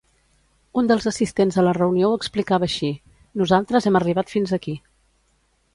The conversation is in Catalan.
Un dels assistents a la reunió ho explicava així: Nosaltres hem arribat fins aquí.